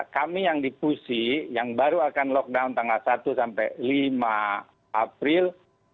kami yang di pusi yang baru akan lockdown tanggal satu sampai lima april